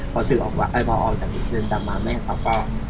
พอออกจากอีกเดือนจากมาแม่เขาก็